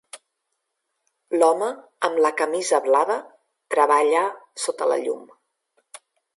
L'home amb la camisa blava treballa sota la llum.